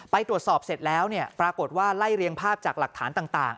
ไปตรวจสอบเสร็จแล้วปรากฏว่าไล่เรียงภาพจากหลักฐานต่าง